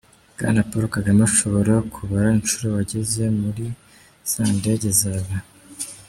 Bwana Paul Kagame , ushobora kubara inshuro wagenze muri zandege zawe?